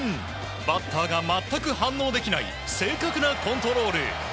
バッターが全く反応できない正確なコントロール。